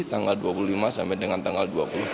tanggal dua puluh lima sampai dengan tanggal dua puluh